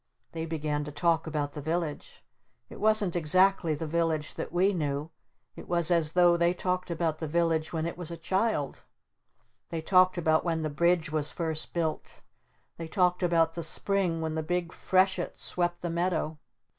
They began to talk about the Village. It wasn't exactly the Village that we knew. It was as though they talked about the Village when it was a child. They talked about when the Bridge was first built. They talked about the Spring when the Big Freshet swept the meadow.